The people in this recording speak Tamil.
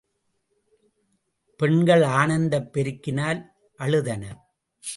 பெண்கள் ஆனந்தப் பெருக்கினால் அழுதனர்.